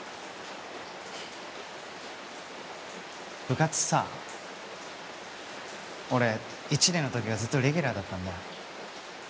部活さ俺１年の時はずっとレギュラーだったんだ。